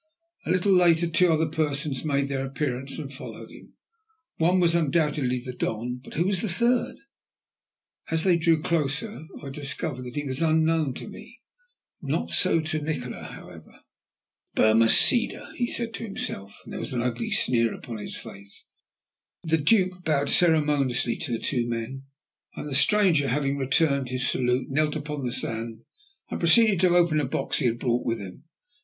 A little later two other persons made their appearance and followed him. One was undoubtedly the Don, but who was the third? As they drew closer, I discovered that he was unknown to me; not so to Nikola, however. "Burmaceda," he said to himself, and there was an ugly sneer upon his face. The Duke bowed ceremoniously to the two men, and the stranger, having returned his salute, knelt upon the sand, and proceeded to open a box he had brought with him.